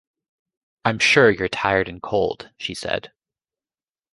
“I’m sure you’re tired and cold,” she said.